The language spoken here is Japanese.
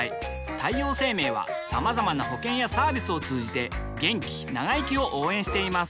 太陽生命はまざまな保険やサービスを通じて気長生きを応援しています